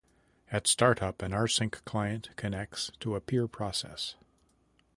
At startup, an rsync client connects to a peer process.